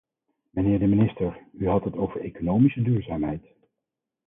Mijnheer de minister, u had het over economische duurzaamheid.